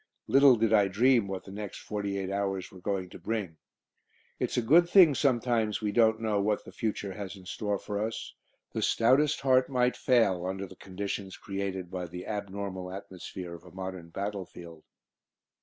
Little did I dream what the next forty eight hours were going to bring. It's a good thing sometimes we don't know what the future has in store for us. The stoutest heart might fail under the conditions created by the abnormal atmosphere of a modern battlefield.